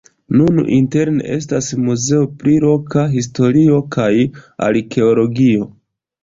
Nun interne estas muzeo pri loka historio kaj arkeologio.